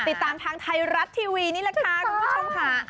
ติดตามทางไทยรัฐทีวีนี่แหละค่ะคุณผู้ชมค่ะ